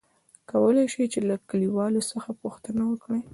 کولاى شې ،چې له کليوالو څخه پوښتنه وکړې ؟